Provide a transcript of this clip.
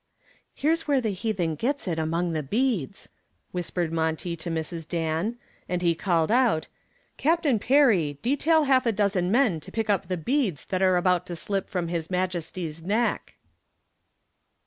"Here's where the heathen gets it among the beads," whispered Monty to Mrs. Dan, and he called out: "Captain Perry, detail half a dozen men to pick up the beads that are about to slip from his majesty's neck."